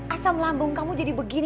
asam lambung kamu jadi begini